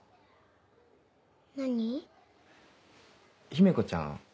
姫子ちゃん